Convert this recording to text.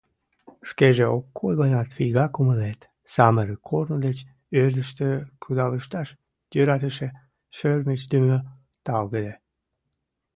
Шкеже ок кой гынат, вигак умылет: самырык, корно деч ӧрдыжтӧ кудалышташ йӧратыше шӧрмычдымӧ талгыде.